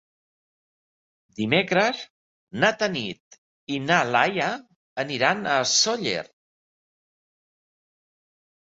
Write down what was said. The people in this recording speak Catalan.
Dimecres na Tanit i na Laia aniran a Sóller.